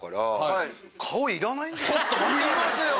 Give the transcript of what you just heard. いりますよ！